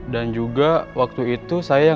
dan juga waktu itu saya yang